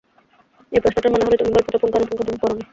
এই প্রশ্নটার মানে হলো, তুমি গল্পটা পুঙ্খানুপুঙ্খভাবে পড়োনি।